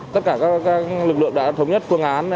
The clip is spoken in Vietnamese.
tất cả các lực lượng đã thống nhất phương án